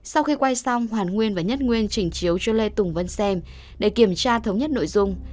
sau khi quay xong hoàn nguyên và nhất nguyên trình chiếu cho lê tùng vân xem để kiểm tra thống nhất nội dung